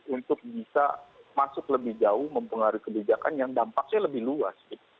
untuk bisa masuk lebih jauh mempengaruhi kebijakan yang dampaknya lebih luas